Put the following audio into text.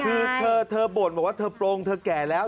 คือเธอบ่นบอกว่าเธอโปรงเธอแก่แล้ว